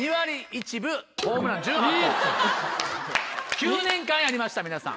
９年間やりました皆さん。